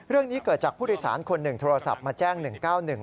เรื่องนี้เกิดจากผู้โดยสารคนหนึ่งโทรศัพท์มาแจ้ง๑๙๑